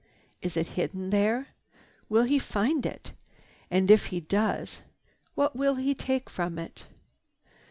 Is it hidden there? Will he find it? And if he does, what will he take from it?